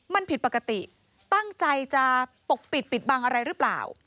มันผิดปกติตั้งใจจะปกปิดปิดบังอะไรหรือเปล่า